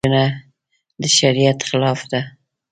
وژنه د شریعت خلاف ده